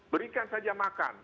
berikan saja makan